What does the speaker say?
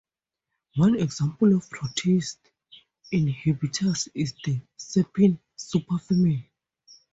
One example of protease inhibitors is the serpin superfamily.